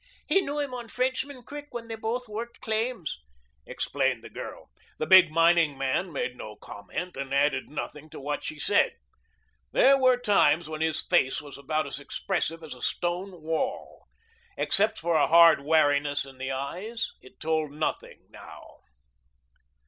He knew him on Frenchman Creek where they both worked claims," explained the girl. The big mining man made no comment and added nothing to what she said. There were times when his face was about as expressive as a stone wall. Except for a hard wariness in the eyes it told nothing now.